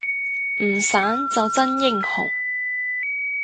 唔散就真英雄